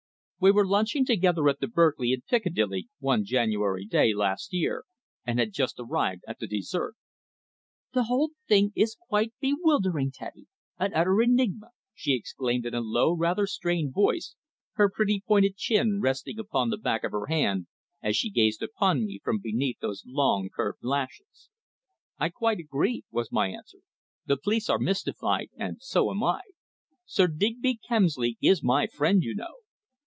We were lunching together at the Berkeley, in Piccadilly, one January day last year, and had just arrived at the dessert. "The whole thing is quite bewildering, Teddy an utter enigma," she exclaimed in a low, rather strained voice, her pretty, pointed chin resting upon the back of her hand as she gazed upon me from beneath those long, curved lashes. "I quite agree," was my answer. "The police are mystified, and so am I. Sir Digby Kemsley is my friend, you know."